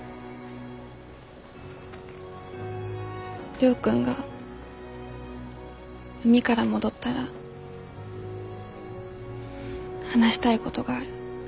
亮君が海から戻ったら話したいごどがある。